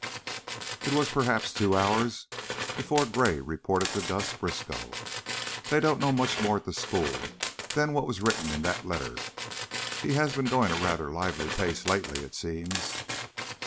It was perhaps two hours before Gray reported to Gus Briskow: "They don't know much more at the school than was written in that letter. He has been going a rather lively pace lately, it seems."